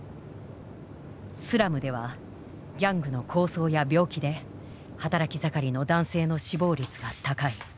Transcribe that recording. スラムではギャングの抗争や病気で働き盛りの男性の死亡率が高い。